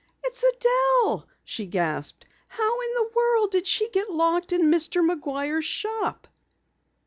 "It's Adelle!" she gasped. "How in the world did she get locked in Mr. McGuire's shop?"